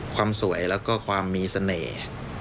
ความสวยแล้วก็ความมีเสน่ห์